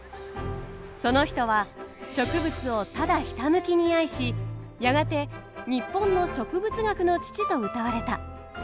その人は植物をただひたむきに愛しやがて日本の植物学の父とうたわれた。